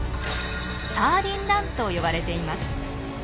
「サーディン・ラン」と呼ばれています。